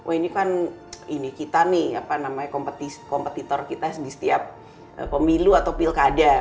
oh ini kan ini kita nih apa namanya kompetitor kita di setiap pemilu atau pilkada